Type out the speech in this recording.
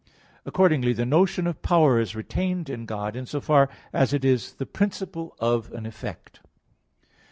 Accordingly the notion of power is retained in God in so far as it is the principle of an effect.